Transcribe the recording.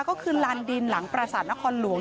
ก็คือลานดินหลังประสาทนครหลวง